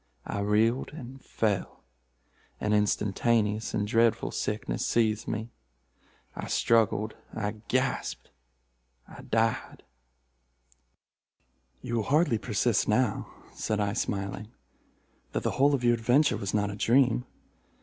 I reeled and fell. An instantaneous and dreadful sickness seized me. I struggled—I gasped—I died." "You will hardly persist now," said I smiling, "that the whole of your adventure was not a dream.